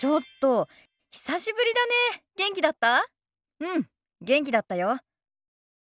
うん元気だったよ。